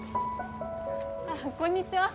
ああこんにちは。